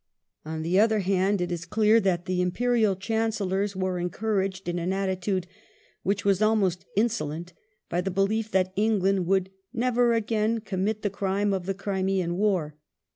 On the other hand, it is clear that the Imperial Chancellors were encouraged in an attitude which was almost insolent, by the belief that England would *' never again commit the crime of the Crimean War